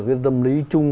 cái dâm lý chung